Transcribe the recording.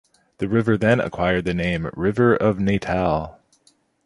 The river then acquired the name "River of Natal".